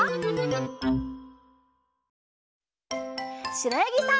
しろやぎさん。